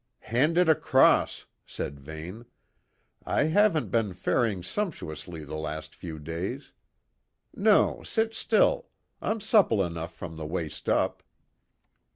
"Hand it across," said Vane. "I haven't been faring sumptuously the last few days. No, sit still; I'm supple enough from the waist up."